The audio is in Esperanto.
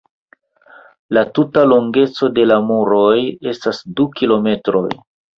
La tuta longeco de la muroj estas du kilometroj.